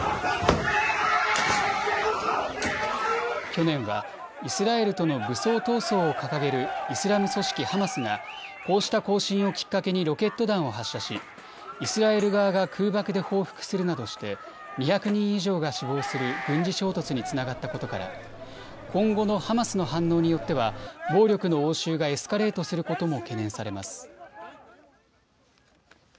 去年はイスラエルとの武装闘争を掲げるイスラム組織ハマスがこうした行進をきっかけにロケット弾を発射しイスラエル側が空爆で報復するなどして２００人以上が死亡する軍事衝突につながったことから今後のハマスの反応によっては暴力の応酬がエスカレートすることも懸念されます。